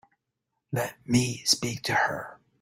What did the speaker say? Let me speak to her.